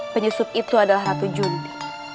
penyusup itu adalah ratu junti